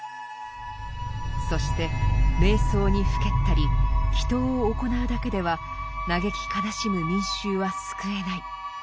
そして瞑想にふけったり祈祷を行うだけでは嘆き悲しむ民衆は救えない。